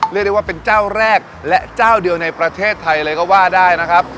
เรียกได้ว่าเป็นเจ้าแรกและเจ้าเดียวในประเทศไทยเลยก็ว่าได้นะครับ